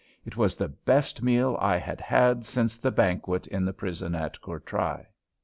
It was the best meal I had had since the "banquet" in the prison at Courtrai.